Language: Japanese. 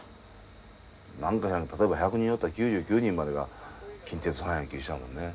何か知らん例えば１００人おったら９９人までが近鉄ファンな気したもんね。